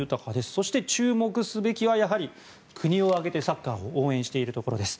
そして注目すべきは国を挙げてサッカーを応援しているところです。